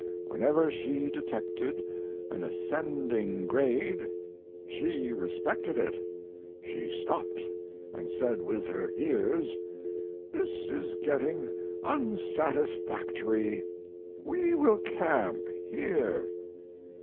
Whenever she detected an ascending grade she respected it; she stopped and said with her ears: "This is getting unsatisfactory. We will camp here."